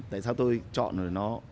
tại sao tôi chọn rồi nó